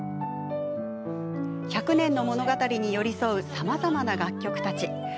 １００年の物語に寄り添うさまざまな楽曲たち。